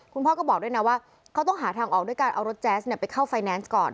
คุณพ่อก็บอกด้วยนะว่าเขาต้องหาทางออกด้วยการเอารถแจ๊สไปเข้าไฟแนนซ์ก่อน